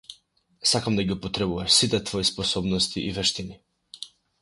Сакам да ги употребиш сите твои способности и вештини.